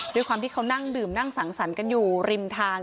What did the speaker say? ด้วยความที่เขานั่งดื่มนั่งสังสรรค์กันอยู่ริมทาง